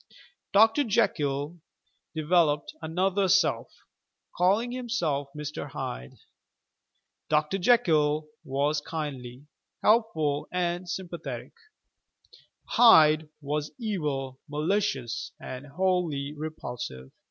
Dr. Jekyll developed another self, calling himself Mr. Hyde. Dr. Jekyll was kindly, helpful and sympa thetic; Hyde was evil, malicious and wholly repulsive.